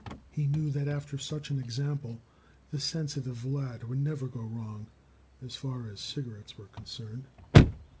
He knew that after such an example, the sensitive lad would never go wrong as far as cigarettes were concerned.